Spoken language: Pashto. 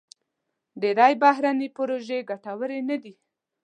ډېری بهرني پروژې ګټورې نه دي.